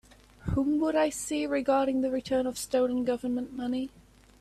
Whom would I see regarding the return of stolen Government money?